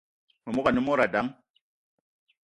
Memogo ane mod dang